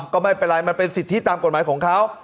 ก็ไม่เป็นไรมันเป็นสิทธิตามกฎหมายของเขา